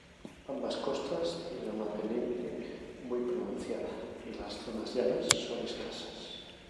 Ambas costas tienen una pendiente muy pronunciada y las zonas llanas son escasas.